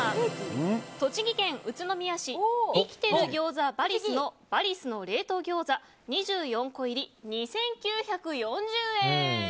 栃木県宇都宮市生きてる餃子バリスのバリスの冷凍餃子２４個入り、２９４０円。